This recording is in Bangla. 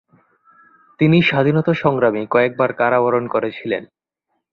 তিনি স্বাধীনতা সংগ্রামে কয়েকবার কারাবরণ করেছিলেন।